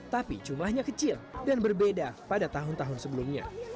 tapi jumlahnya kecil dan berbeda pada tahun tahun sebelumnya